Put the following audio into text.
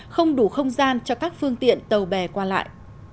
không đủ không gian cho các phương tiện tàu bè qua lại